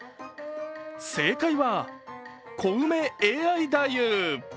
正解はコウメＡＩ太夫。